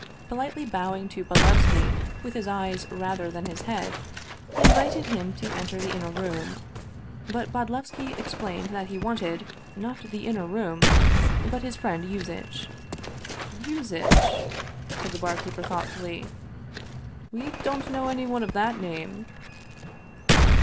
Politely bowing to Bodlevski, with his eyes rather than his head, he invited him to enter the inner room. But Bodlevski explained that he wanted, not the inner room, but his friend Yuzitch. "Yuzitch?" said the barkeeper thoughtfully. "We don't know anyone of that name."